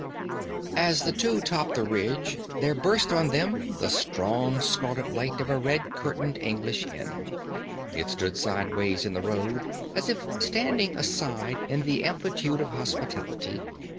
As the two topped the ridge there burst on them the strong scarlet light of a red curtained English inn. It stood sideways in the road, as if standing aside in the amplitude of hospitality.